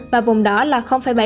và vùng đỏ là bảy